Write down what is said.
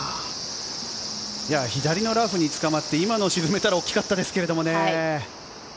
左のラフにつかまって今のを沈めたら大きかったですけどね。